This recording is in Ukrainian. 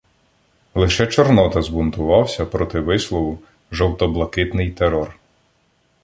Лише Чорнота збунтувався проти вислову "жовто-блакитний терор".